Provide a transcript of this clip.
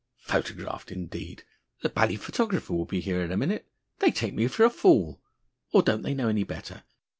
... Photographed indeed! The bally photographer will be here in a minute! ... They take me for a fool! ... Or don't they know any better?